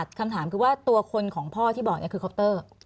แล้วยังไงต่อ